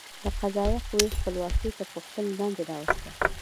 د قضایه قوې خپلواکي تر پوښتنې لاندې راوسته.